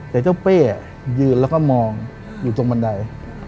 แต่เจ้าเป้ยืนแล้วก็มองอยู่ตรงบันได